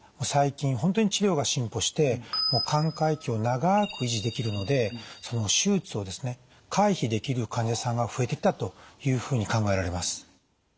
最近本当に治療が進歩して寛解期を長く維持できるのでその手術をですね回避できる患者さんが増えてきたというふうに考えられます。